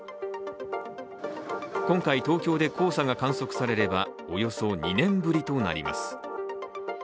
今回、東京で黄砂が観測されればおよそ２年ぶりとなります。